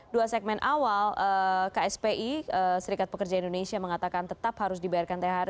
dua segmen awal kspi serikat pekerja indonesia mengatakan tetap harus dibayarkan thr